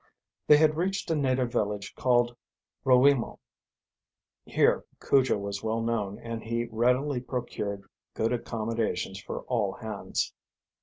They had reached a native village called Rowimu. Here Cujo was well known and he readily procured good accommodations for all hands.